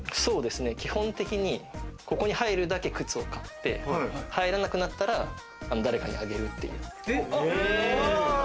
基本的に、ここに入るだけ靴を買って、入らなくなったら誰かにあげるっていう。